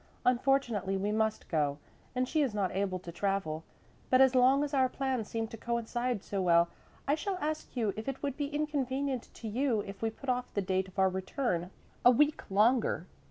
"Unfortunately we must go, and she is not able to travel. But as long as our plans seem to coincide so well, I shall ask you if it would be inconvenient to you if we put off the date of our return a week longer.